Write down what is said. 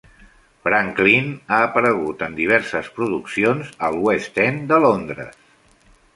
Franklin ha aparegut en diverses produccions al West End de Londres.